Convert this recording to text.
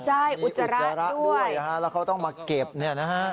ใช่อุจจาระด้วยแล้วเขาต้องมาเก็บนะครับ